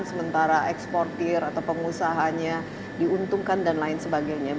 sementara eksportir atau pengusahanya diuntungkan dan lain sebagainya